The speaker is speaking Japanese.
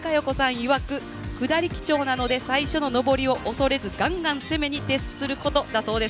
いわく下り基調なので最初の上りを恐れずガンガン攻めに徹することだそうです。